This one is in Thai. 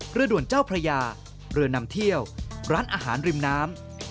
เรือด่วนเจ้าพระยาเรือนำเที่ยวร้านอาหารริมน้ำ